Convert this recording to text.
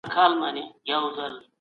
د توحيد پوهه د ايمان روح دی.